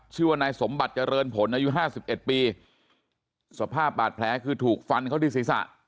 ชื่อว่านายสมบัติเจริญผลอายุห้าสิบเอ็ดปีสภาพบาดแผลคือถูกฟันเขาที่ศีรษะ